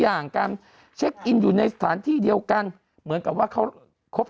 อย่างการเช็คอินอยู่ในสถานที่เดียวกันเหมือนกับว่าเขาครบ